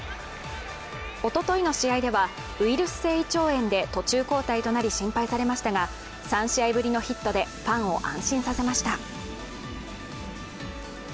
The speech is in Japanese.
おとといの試合ではウイルス性胃腸炎で途中交代となり心配されましたが３試合ぶりのヒットでファンを安心させました。